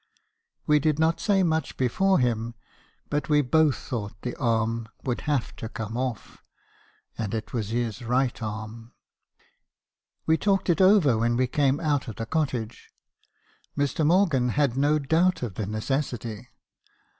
We did not say much before him, but we both thought the arm would have to come off, and it was his right arm. We talked it over when we came out of the cottage. Mr. Morgan had no doubt of the necessity.